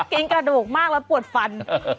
กินกระดูกมากแล้วปวดฟัน